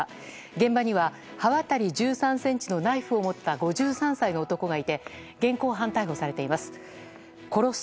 現場には刃渡り１３ｃｍのナイフを持った５３歳の男がいて現行犯逮捕されています。